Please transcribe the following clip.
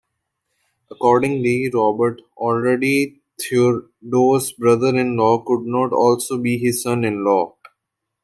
Accordingly, Robert, already Theodore's brother-in-law, could not also be his son-in-law.